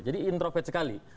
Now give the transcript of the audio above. jadi introvert sekali